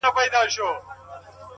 د تل لپاره’